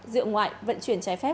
rượu ngoại vận chuyển trái phép